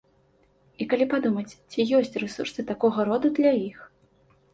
І калі падумаць, ці ёсць рэсурсы такога роду для іх?